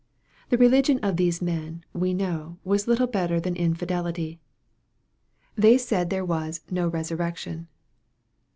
The religion of these men, we know, was little better than infidelity. They said there was " no resurrection."